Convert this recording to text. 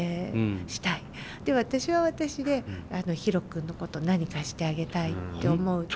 で私は私でヒロ君のこと何かしてあげたいって思うと。